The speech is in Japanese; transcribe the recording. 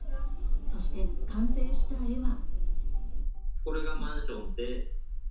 そして完成した絵は。